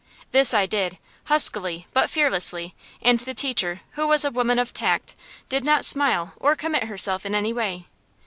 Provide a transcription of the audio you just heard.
This I did, huskily but fearlessly; and the teacher, who was a woman of tact, did not smile or commit herself in any way.